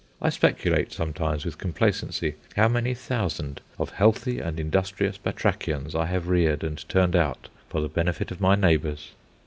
I speculate sometimes with complacency how many thousand of healthy and industrious batrachians I have reared and turned out for the benefit of my neighbours.